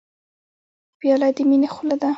پیاله د مینې خوله ده.